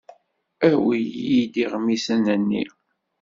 Awi-iyi-d iɣmisen-nni.